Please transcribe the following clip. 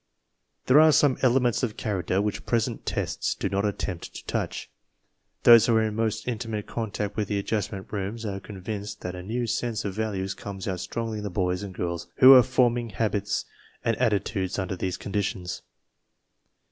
There are some elements of character which present tests do not attempt to touch. Those .\ y who are in most intimate contact with the Adjustment Rooms are convinced that a new sense of values comes out strongly in the boys and girls who are forming hab its and attitudes under these conditions.